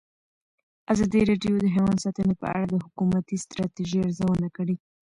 ازادي راډیو د حیوان ساتنه په اړه د حکومتي ستراتیژۍ ارزونه کړې.